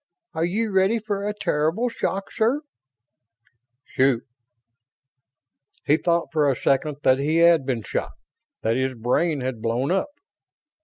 Are you ready for a terrible shock, sir?" "Shoot." He thought for a second that he had been shot; that his brain had blown up.